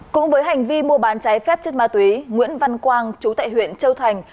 cũng với hành vi mua bán trái phép chất ma túy nguyễn văn quang chú tại huyện châu thành